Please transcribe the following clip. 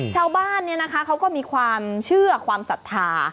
ชาวบ้านเขาก็มีความเชื่อความศรัทธา